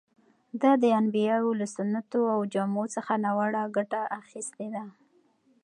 ده د انبیاوو له سنتو او جامو څخه ناوړه ګټه اخیستې ده.